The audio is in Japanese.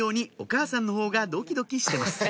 お母さんの方がドキドキしてます